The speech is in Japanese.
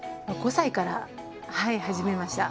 ５歳からはい始めました。